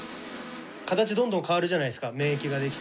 形どんどん変わるじゃないですか免疫ができて。